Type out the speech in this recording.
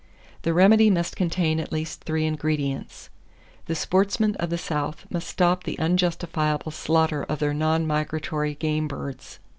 The remedy must contain at least three ingredients. The sportsmen of the South must stop the unjustifiable slaughter of their non migratory game birds.